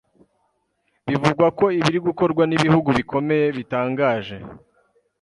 bivuga ko ibiri gukorwa n'ibihugu bikomeye bitangaje